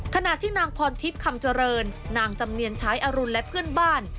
ขณะที่นางพรทิพย์คำเจริญนางจำเนียนใช้อรุณและเพื่อนบ้าน